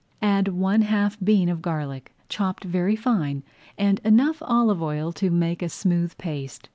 Add one half bean of garlic, chopped very fine, and enough olive oil to make a smooth paste.